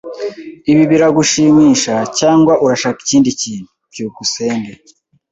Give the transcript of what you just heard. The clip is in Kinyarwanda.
Ibi biragushimisha, cyangwa urashaka ikindi kintu? byukusenge